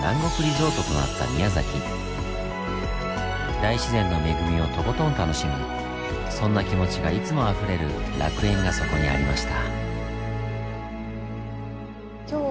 大自然の恵みをとことん楽しむそんな気持ちがいつもあふれる楽園がそこにありました。